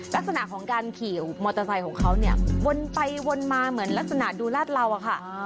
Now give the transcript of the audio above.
ลักษณะของการขี่มอเตอร์ไซค์ของเขาเนี่ยวนไปวนมาเหมือนลักษณะดูลาดเหลาอะค่ะ